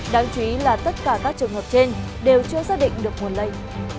đáng chú ý là tất cả các trường hợp trên đều chưa xác định được nguồn lây